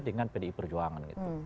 dengan pdi perjuangan gitu